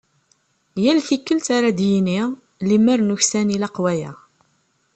Yal tikkelt ara d-yini: "Lemmer nuksan ilaq waya".